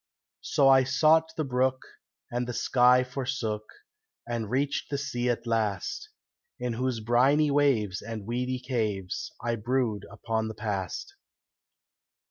So I sought the brook, and the sky forsook, And reached the sea at last, In whose briny waves and weedy caves I brood upon the past.